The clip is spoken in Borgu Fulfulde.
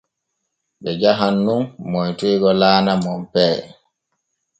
Ɓe jahan nun moytoygo laana Monpee.